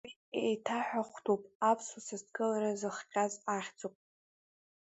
Уи еиҭаҳәахәтәуп, Аԥсуа сасдкылара зыхҟьаз ахьӡуп…